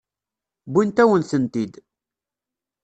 Wwint-awen-tent-id.